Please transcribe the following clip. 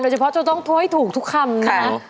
โดยเฉพาะจะต้องท้วยถูกทุกคำนะ